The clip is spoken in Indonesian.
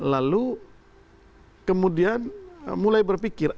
lalu kemudian mulai berpikir